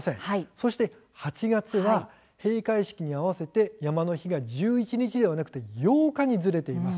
そして８月は閉会式に合わせて山の日が１１日ではなく８日にずれています。